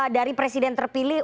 dari presiden terpilih